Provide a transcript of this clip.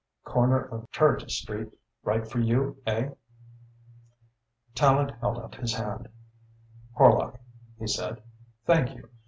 Corner of Clarges Street right for you, eh?" Tallente held out his hand. "Horlock," he said, "thank you.